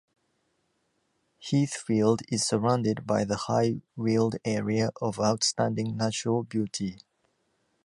Heathfield is surrounded by the High Weald Area of Outstanding Natural Beauty.